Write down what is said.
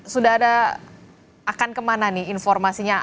sudah ada akan kemana nih informasinya